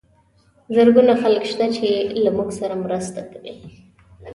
زرګونه خلک شته چې له موږ سره مرسته کوي.